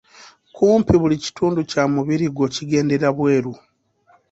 Kumpi buli kitundu kya mubiri gwo kigendera bweru.